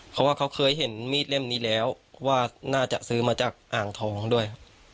เพราะว่าเขาเคยเห็นมีดเล่มนี้แล้วว่าน่าจะซื้อมาจากอ่างทองด้วยครับ